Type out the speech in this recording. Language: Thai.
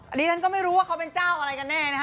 อันนี้ฉันก็ไม่รู้ว่าเขาเป็นเจ้าอะไรกันแน่นะคะ